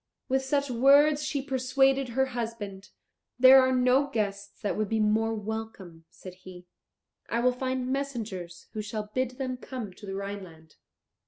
With such words she persuaded her husband. "There are no guests that would be more welcome," said he; "I will find messengers who shall bid them come to the Rhineland."